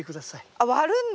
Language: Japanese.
あっ割るんだ。